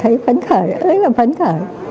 thấy phấn khởi rất là phấn khởi